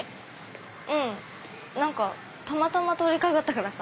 うん何かたまたま通りかかったからさ。